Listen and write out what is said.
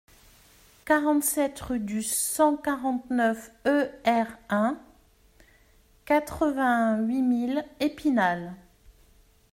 quarante-sept rue du cent quarante-neuf e R.un., quatre-vingt-huit mille Épinal